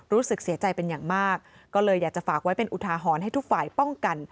รู้สึกเสียใจเป็นอย่างมากก็เลยอยากจะฝากไว้เป็นอุทาหรณ์ให้ทุกฝ่ายป้องกัน